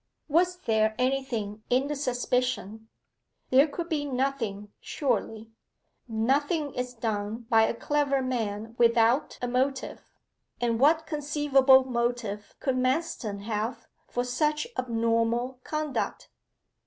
Was there anything in the suspicion? There could be nothing, surely. Nothing is done by a clever man without a motive, and what conceivable motive could Manston have for such abnormal conduct?